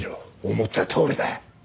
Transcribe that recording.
思ったとおりだ！